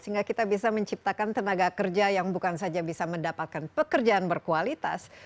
sehingga kita bisa menciptakan tenaga kerja yang bukan saja bisa mendapatkan pekerjaan berkualitas